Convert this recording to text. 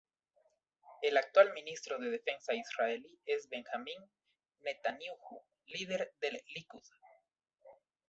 El actual Ministro de Defensa Israelí es Benjamín Netanyahu, líder del Likud.